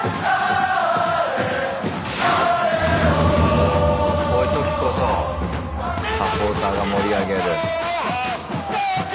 おこういうときこそサポーターが盛り上げる。